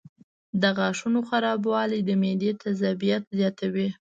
د غاښونو خرابوالی د معدې تیزابیت زیاتوي.